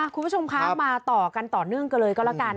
คุณผู้ชมคะมาต่อกันต่อเนื่องกันเลยก็แล้วกัน